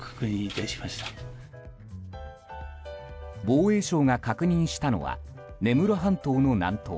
防衛省が確認したのは根室半島の南東